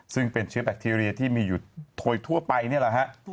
ซึ่งเป็นเชื้อแบคทีเรียที่มีอยู่ทั่วไปนี่แหละฮะ